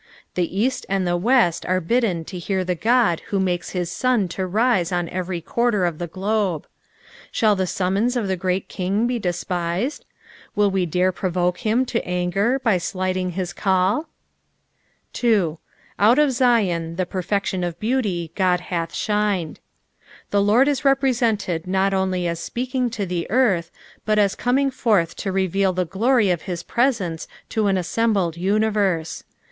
The east and the west are bidden to hear the God who makes his sun to rise on every quarter of the globe. Shall the aiiromons of the great King be despised ! Will we dare provoke him to anger by slighting bis call t :t qf Zim, the per/eetim of beauts/, God hath thirted." The Lord ii ,glc 430 EISPOSITIONS OF THE PSALUS. represented not onl; as epeaking to the earth, but aa coming forth to reveftl tl)e glory of bis presence to aa assembled universe.